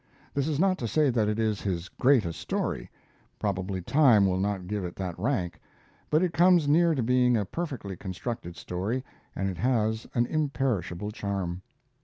This is not to say that it is his greatest story. Probably time will not give it that rank, but it comes near to being a perfectly constructed story, and it has an imperishable charm.